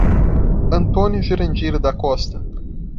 Antônio Jurandir da Costa